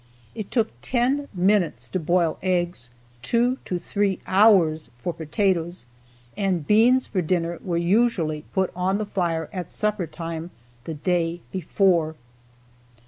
It took ten minutes to boil eggs, two to three hours for potatoes, and beans for dinner were usually put on the fire at supper time the day before.